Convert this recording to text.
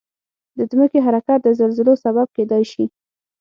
د ځمکې حرکت د زلزلو سبب کېدای شي.